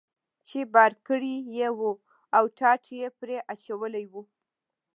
چې بار کړی یې و او ټاټ یې پرې اچولی و.